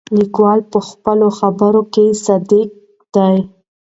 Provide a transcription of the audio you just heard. لیکوال په خپلو خبرو کې صادق دی.